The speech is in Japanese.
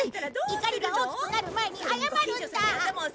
怒りが大きくなる前に謝るんだ！